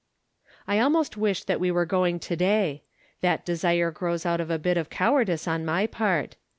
I almost wish that we were going to day. That desire grows out of a bit of cowardice on my part.